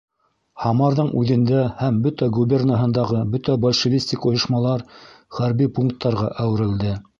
Һамарҙың үҙендә һәм бөтә губернаһындағы бөтә большевистик ойошмалар хәрби пункттарға әүерелде.